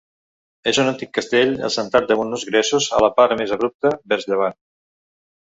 És un antic Castell assentat damunt uns gresos, a la part més abrupta, vers llevant.